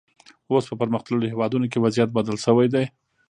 اوس په پرمختللو هېوادونو کې وضعیت بدل شوی دی.